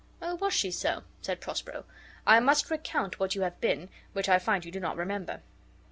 "Oh, was she so?" said Prospero. "I must recount what you have been, which I find you do not remember.